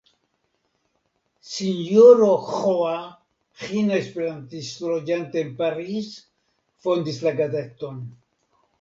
Sinjoro Ĥoa , Ĥina Esperantisto, loĝanta en Paris fondis la gazeton.